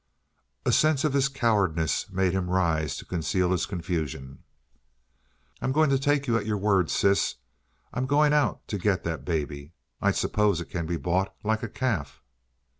A sense of his cowardice made him rise to conceal his confusion. "I'm going to take you at your word, sis. I'm going out to get that baby. I suppose it can be bought like a calf!"